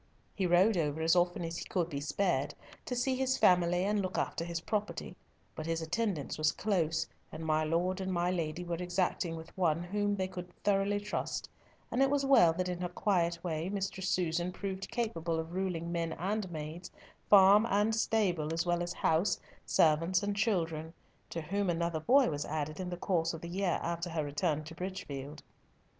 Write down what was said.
He rode over as often as he could be spared, to see his family and look after his property; but his attendance was close, and my Lord and my Lady were exacting with one whom they could thoroughly trust, and it was well that in her quiet way Mistress Susan proved capable of ruling men and maids, farm and stable as well as house, servants and children, to whom another boy was added in the course of the year after her return to Bridgefield.